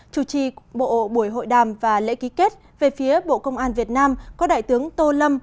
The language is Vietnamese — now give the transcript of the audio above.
chủ trì bộ buổi hội đàm và lễ ký kết về phía bộ công an việt nam có đại tướng tô lâm